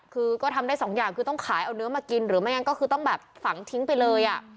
คือก็ทำได้สองอย่างคือต้องขายเอาเนื้อมากินหรือไม่งั้นก็คือต้องแบบฝังทิ้งไปเลยอ่ะ